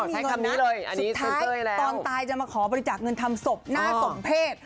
สุดท้ายตอนตายจะมาขอบริจาคเงินทำศพหน้าสมเพศ